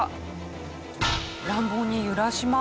乱暴に揺らします。